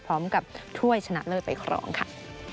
พร้อมกับถ้วยชนะเลิศไปครองค่ะ